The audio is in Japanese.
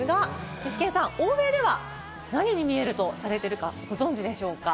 イシケンさん、欧米では何に見えるとされているか、ご存じですか？